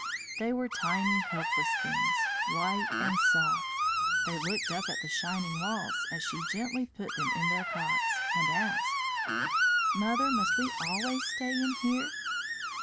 They were tiny, helpless things, white and soft. They looked up at the shining walls as she gently put them in their cots, and asked: "Mother, must we always stay in here?"